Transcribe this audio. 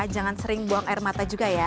jangan sering buang air mata juga ya